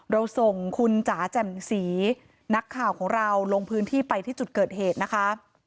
เราส่งคุณจ๋าแจ่มสีนักข่าวของเราลงพื้นที่ไปที่จุดเกิดเหตุนะคะ